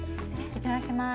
いただきます。